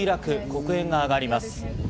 黒煙が上がります。